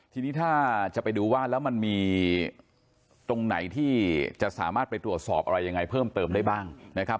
ทีนี้ถ้าจะไปดูว่าแล้วมันมีตรงไหนที่จะสามารถไปตรวจสอบอะไรยังไงเพิ่มเติมได้บ้างนะครับ